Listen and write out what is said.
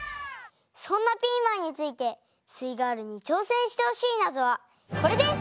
そんなピーマンについてすイガールに挑戦してほしいナゾはこれです！